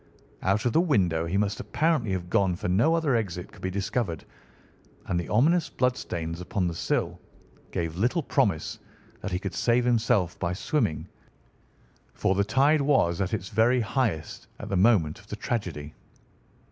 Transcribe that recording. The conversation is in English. Out of the window he must apparently have gone for no other exit could be discovered, and the ominous bloodstains upon the sill gave little promise that he could save himself by swimming, for the tide was at its very highest at the moment of the tragedy.